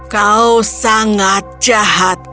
kau sangat jahat